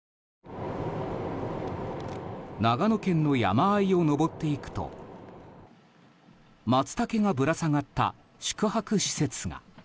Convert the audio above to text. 長野県の山あいを上っていくとマツタケがぶら下がった宿泊施設が。